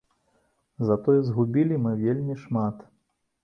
Затое згубілі мы вельмі шмат.